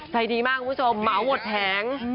ใจดีมากคุณผู้ชมหม่าวดแถง